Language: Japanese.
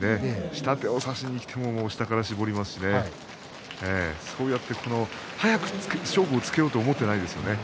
下手を差しにきても下から絞りますしそうやって早く勝負をつけようと思っていないですね。